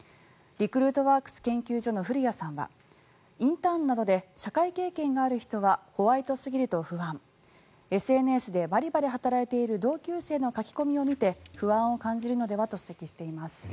リクルートワークス研究所の古屋さんはインターンなどで社会経験がある人はホワイトすぎると不安ＳＮＳでバリバリ働いている同級生の書き込みを見て不安を感じるのではと指摘しています。